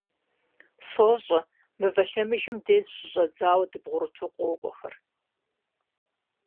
– СощӀэ, Мывэ Лъэмыжым деж щыщӀэдзауэ дбгъурыту къокӀуэхэр.